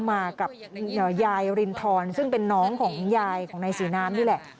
มากับยายรินทรซึ่งเป็นน้องของยายของนายศรีน้ำนี่แหละ